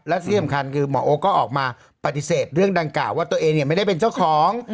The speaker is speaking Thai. และที่สำคัญคือหมอโอ๊คก็ออกมาปฏิเสธเรื่องดังกล่าวว่าตัวเองไม่ได้เป็นเจ้าของ